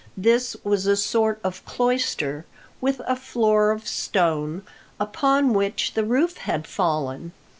This was a sort of cloister with a floor of stone, upon which the roof had fallen.